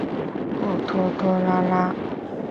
不拖拖拉拉。